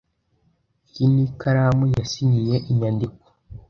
Iyi ni ikaramu yasinyiye inyandiko.